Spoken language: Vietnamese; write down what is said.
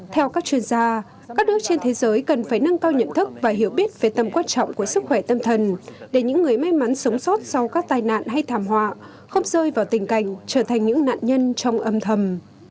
theo các chuyên gia các nước trên thế giới cần phải nâng cao nhận thức và hiểu biết về tâm quan trọng của sức khỏe tâm thần để những người may mắn sống sót sau các tai nạn hay thảm họa không rơi vào tình cảnh trở thành những nạn nhân trong âm thầm